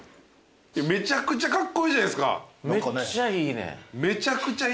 めちゃくちゃカッコイイじゃないですか。